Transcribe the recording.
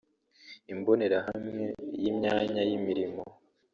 imbonerahamwe y’imyanya y’imirimo